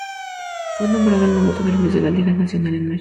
Fue nombrado el novato del mes de la Liga Nacional en mayo.